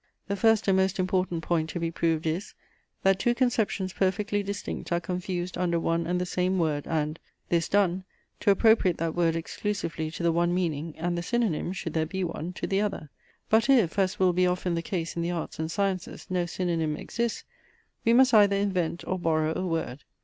The first and most important point to be proved is, that two conceptions perfectly distinct are confused under one and the same word, and this done to appropriate that word exclusively to the one meaning, and the synonyme, should there be one, to the other. But if, (as will be often the case in the arts and sciences,) no synonyme exists, we must either invent or borrow a word.